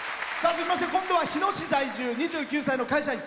続きまして日野市在住、２９歳の会社員。